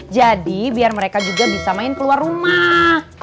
jadi biar mereka juga bisa main keluar rumah